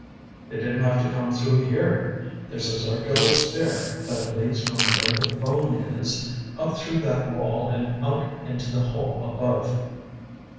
"They didn't have to come through here. There's a circular stair that leads from where the phone is, up through that wall and out into the hall above."